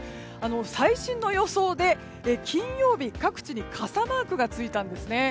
最新の予想で金曜日、各地で傘マークがついたんですね。